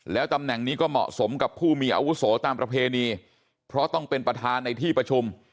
แล้วตำแหน่งนี้ก็เหมาะสมกับผู้มีอาวุโสตามประเพณีเพราะต้องเป็นประธานในที่ประชุม